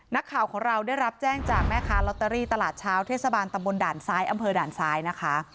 นักข่าวของเราได้รับแจ้งจากแม่ค้าลอตเตอรี่ตลาดเช้าเทศบาลตำบลด่านซ้ายอำเภอด่านซ้ายนะคะ